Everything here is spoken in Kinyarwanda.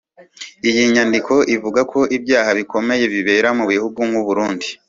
Iyi nyandiko ivuga ko ibyaha bikomeye bibera mu bihugu nk’u Burundi